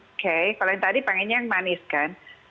oke kalau yang tadi pengennya yang manis kan